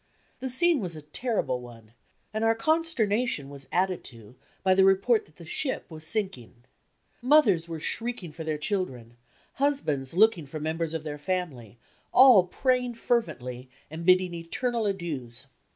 The scene was a terrible one, and our con sternation was added to by the report that the ship was sinking. Mothers were shriek ing for their children, husbands looking for members of their family, all praying fervently and bidding eternal adieus.